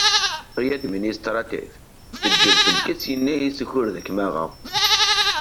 Ay administratif teǧǧel telkett yenaya-s ukured akem aɣeɣ.